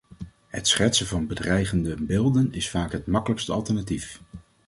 Het schetsen van bedreigende beelden is vaak het makkelijkste alternatief.